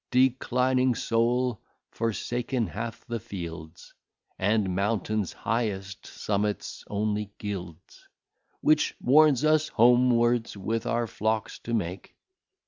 Declining Sol forsaken hath the Fields, And Mountains highest Summits only gildes: Which warns us home wards with our Flocks to make.